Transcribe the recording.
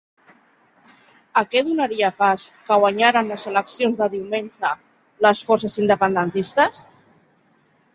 A què donaria pas que guanyaren les eleccions de diumenge les forces independentistes?